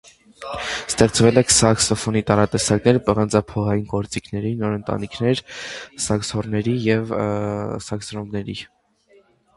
Ստեղծել է սաքսոֆոնի տարատեսակներ, պղնձափողային գործիքների նոր ընտանիքներ՝ սաքսհոռններ և սաքստրոմբներ։